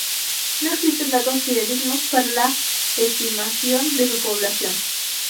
No existen datos fidedignos para la estimación de su población.